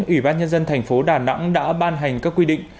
ủy ban nhân dân thành phố đà nẵng đã ban hành các quy định